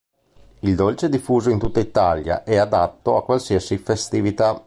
Il dolce è diffuso in tutta Italia e adatto a qualsiasi festività.